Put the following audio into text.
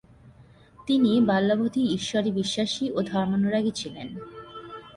তিনি বাল্যাবধি ঈশ্বরে বিশ্বাসী ও ধর্মানুরাগী ছিলেন।